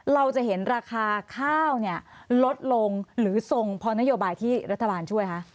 เราจะเห็นราคาข้าวเนี่ยลดลงหรือทรงพอนโยบายที่รัฐบาลช่วยคะ